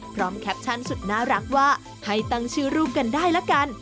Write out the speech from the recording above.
แคปชั่นสุดน่ารักว่าให้ตั้งชื่อรูปกันได้ละกัน